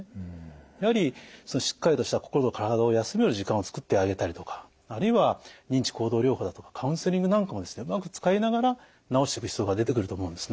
やはりしっかりとした心と体を休める時間をつくってあげたりとかあるいは認知行動療法だとかカウンセリングなんかもうまく使いながら治していく必要が出てくると思うんですね。